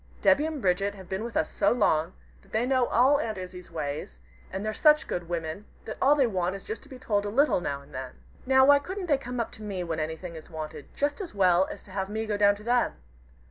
Debby and Bridget have been with us so long, that they know all Aunt Izzie's ways, and they're such good women, that all they want is just to be told a little now and then. Now, why couldn't they come up to me when anything is wanted just as well as to have me go down to them?